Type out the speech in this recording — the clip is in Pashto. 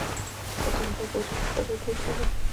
د کاناډا بازو په فضا کې مشهور دی.